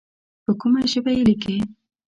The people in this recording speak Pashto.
په کومه ژبه یې لیکې.